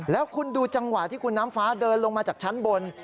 แล้วคุณดูจังหวะที่คุณน้ำฟ้าเดินลงมาจากชั้นบน